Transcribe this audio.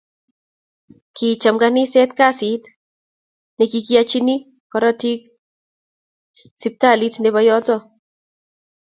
Kicham kaniset kasit na kikikachini karotik siptalit nebo yoto